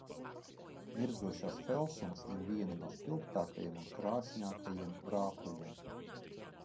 Mirdzošās felsumas ir vieni no spilgtākajiem un krāsainākajiem rāpuļiem.